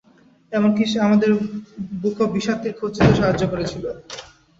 এমনকি সে আমাদের বুক অব ভিশান্তির খোঁজ দিতেও সাহায্য করেছিল।